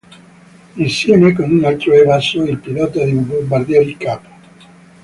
Insieme con un altro evaso, il pilota di bombardieri cap.